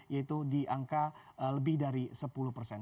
yaitu di angka lebih dari sepuluh persen